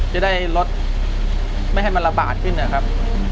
จะได้ลดไม่ให้มันระบาดขึ้นนะครับ